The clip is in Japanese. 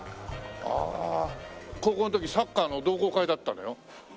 ああ高校の時サッカーの同好会だったのよ。